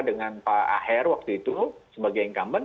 dengan pak aher waktu itu sebagai incumbent